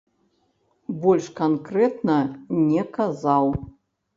Больш канкрэтна не казаў.